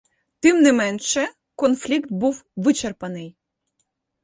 Тим не менше, конфлікт був вичерпаний.